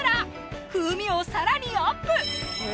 風味を更にアップ